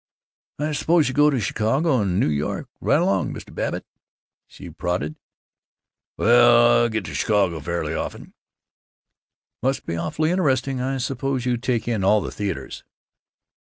"I suppose you go to Chicago and New York right along, Mr. Babbitt," she prodded. "Well, I get to Chicago fairly often." "It must be awfully interesting. I suppose you take in all the theaters."